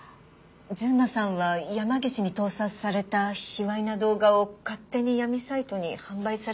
純奈さんは山岸に盗撮された卑猥な動画を勝手に闇サイトに販売されてた。